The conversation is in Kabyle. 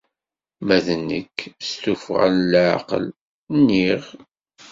Ma d nekk, si tuffɣa n leɛqel, nniɣ.